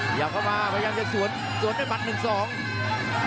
เขาจะฟันใบนั้นลงมาพยายามจะสวนวันหนึ่งสอง